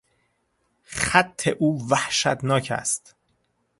خط او وحشتناک است.